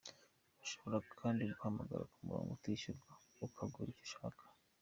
Ushobora kandi guhamagara ku murongo utishyurwa ukagura icyo ushaka.